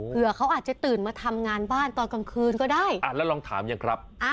เผื่อเขาอาจจะตื่นมาทำงานบ้านตอนกลางคืนก็ได้แล้วลองถามยังครับ